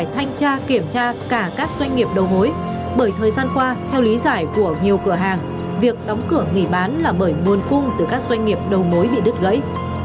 thanh tra kiểm tra cả các doanh nghiệp đầu mối bởi thời gian qua theo lý giải của nhiều cửa hàng việc đóng cửa nghỉ bán là bởi nguồn cung từ các doanh nghiệp đầu mối bị đứt gãy